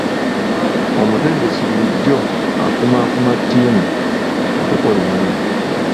Omutendesi bulijjo akumaakuma ttiimu okukola ennyo.